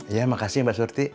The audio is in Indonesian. ya makasih mbak surti